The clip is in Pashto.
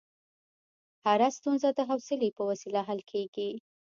هره ستونزه د حوصلې په وسیله حل کېږي.